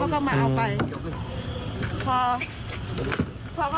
เขาก็มาเอาไป